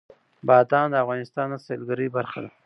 بادام د افغانستان د سیلګرۍ برخه ده.